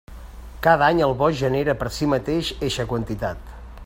Cada any el bosc genera per si mateix eixa quantitat.